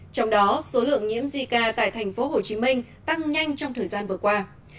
trong đó số lượng nhiễm zika tại thành phố hồ chí minh tăng nhanh trong thời gian vừa qua